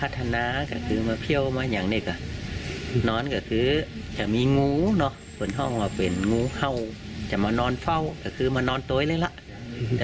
แต่ก็ยังมาเฝ้าเยอะตลอด